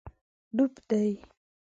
ډوب دی